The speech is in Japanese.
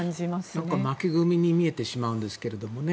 なんか、負け組に見えてしまうんですけどもね。